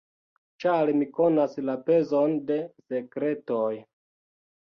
Ĉar mi konas la pezon de sekretoj.